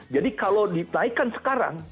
jadi kalau dinaikkan sekarang